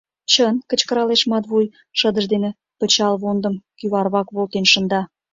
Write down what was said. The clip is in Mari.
— Чын! — кычкыралеш Матвуй, шыдыж дене пычал вондым кӱварвак волтен шында.